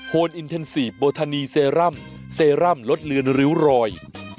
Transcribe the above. นอินเทนซีฟโบทานีเซรั่มเซรั่มลดเลือนริ้วรอย